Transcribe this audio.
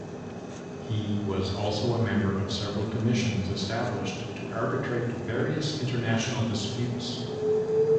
He was also a member of several commissions established to arbitrate various international disputes.